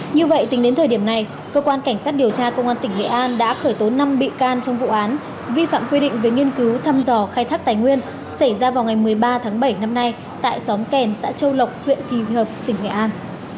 như vậy tính đến thời điểm này cơ quan cảnh sát điều tra công an tỉnh nghệ an đã khởi tố năm bị can trong vụ án vi phạm quy định về nghiên cứu thăm dò khai thác tài nguyên xảy ra vào ngày một mươi ba tháng bảy năm nay tại xóm kèn xã châu lộc huyện kỳ hợp tỉnh nghệ an